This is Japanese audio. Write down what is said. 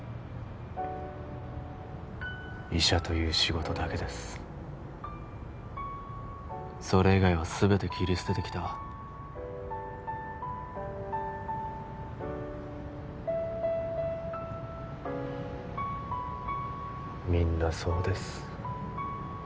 医者という仕事だけですそれ以外は全て切り捨ててきたみんなそうです